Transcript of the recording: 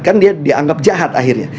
kan dia dianggap jahat akhirnya